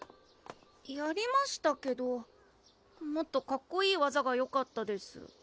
やりましたけどもっとかっこいい技がよかったです